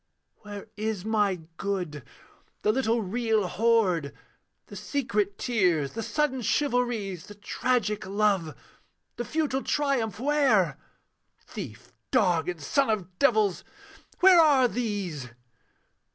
Where is my good? the little real hoard, The secret tears, the sudden chivalries; The tragic love, the futile triumph where? Thief, dog, and son of devils where are these?